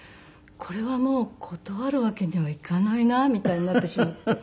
これはもう断るわけにはいかないなみたいになってしまって。